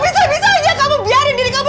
bisa bisa aja kamu biarin diri kamu